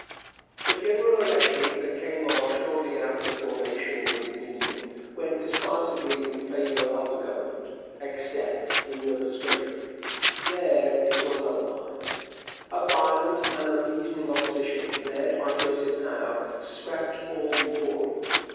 The general elections that came off shortly after the formation of the Dominion went decisively in favour of the Government except in Nova Scotia. There it was otherwise. A violent and unreasoning opposition, led by Joseph Howe, swept all before it.